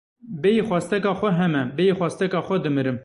Bêyî xwasteka xwe heme, bêyî xwasteka xwe dimirim.